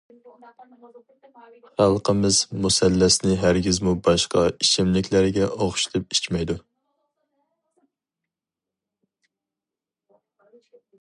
خەلقىمىز مۇسەللەسنى ھەرگىزمۇ باشقا ئىچىملىكلەرگە ئوخشىتىپ ئىچمەيدۇ.